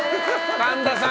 神田さん！